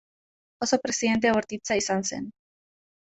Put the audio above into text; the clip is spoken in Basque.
Oso presidente bortitza izan zen.